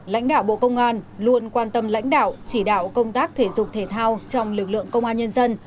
lãnh đạo bộ công an luôn quan tâm lãnh đạo chỉ đạo công tác thể dục thể thao trong lực lượng công an nhân dân